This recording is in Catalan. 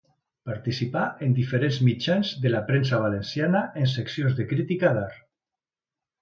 Participà en diferents mitjans de la premsa valenciana en seccions de crítica d'art.